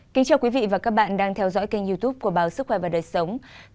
cảm ơn các bạn đã theo dõi và ủng hộ cho kênh youtube của báo sức khỏe và đời sống